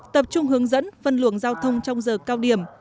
tập trung hướng dẫn phân luồng giao thông trong giờ cao điểm